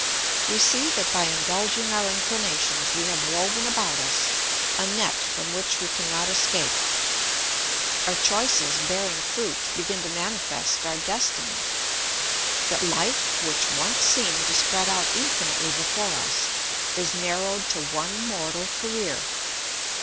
We see that by indulging our inclinations we have woven about us a net from which we cannot escape: our choices, bearing fruit, begin to manifest our destiny. That life which once seemed to spread out infinitely before us is narrowed to one mortal career.